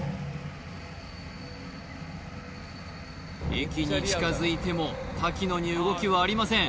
駅に近づいても瀧野に動きはありません